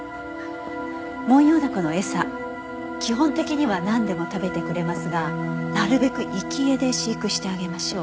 「モンヨウダコの餌」「基本的には何でも食べてくれますがなるべく生き餌で飼育してあげましょう」